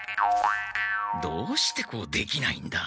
どうしてこうできないんだ。